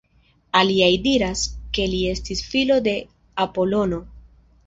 Aliaj diras ke li estis filo de Apolono.